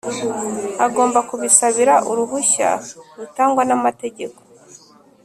Agomba kubisabira uruhushya rutangwa n’amategeko